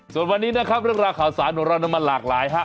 ส่วนวันนี้นะครับเรื่องราวข่าวสารของเรามันหลากหลายฮะ